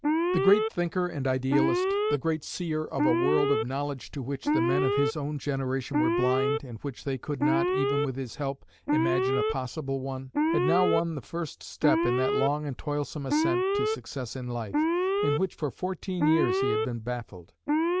The great thinker and idealist, the great seer of a world of knowledge to which the men of his own generation were blind, and which they could not, even with his help, imagine a possible one, had now won the first step in that long and toilsome ascent to success in life, in which for fourteen years he had been baffled.